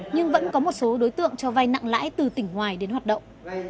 nhưng vẫn có một số đối tượng cho vai nặng lãi từ tỉnh ngoài đến hoạt động